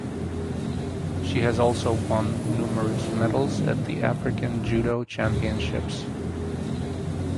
She has also won numerous medals at the African Judo Championships.